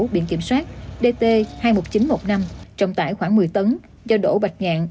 biển kiểm soát dt hai mươi một nghìn chín trăm một mươi năm trọng tải khoảng một mươi tấn do đỗ bạch nhạn